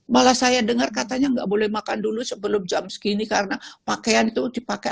malah saya dengar katanya nggak boleh makan dulu sebelum jam segini karena pakaian itu dipakai